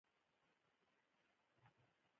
دهمسایه سره کومک کول ثواب لري